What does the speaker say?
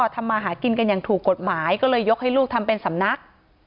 ทำมาหากินกันอย่างถูกกฎหมายก็เลยยกให้ลูกทำเป็นสำนัก